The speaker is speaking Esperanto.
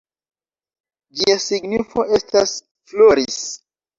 Ĝia signifo estas “floris”.